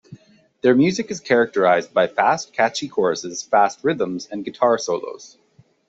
Their music is characterized by fast, catchy choruses, fast rhythms, and guitar solos.